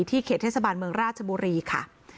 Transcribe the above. เขตเทศบาลเมืองราชบุรีค่ะ